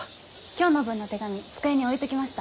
今日の分の手紙机に置いときました。